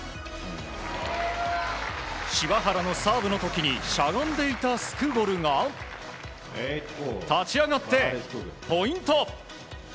柴原のサーブの時にしゃがんでいたスクゴルが立ち上がって、ポイント！